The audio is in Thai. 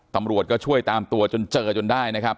ตำรวจก็ช่วยตามตัวจนเจอจนได้นะครับ